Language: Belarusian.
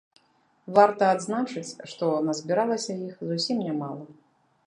Варта адзначыць, што назбіралася іх зусім нямала.